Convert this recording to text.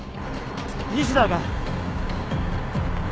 西田が。